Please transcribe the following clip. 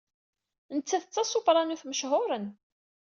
Nettat d tasopranot mechuṛen.